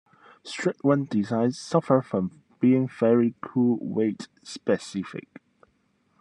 Strict-one designs suffer from being very crew weight specific.